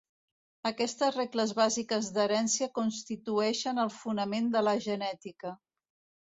Aquestes regles bàsiques d'herència constitueixen el fonament de la genètica.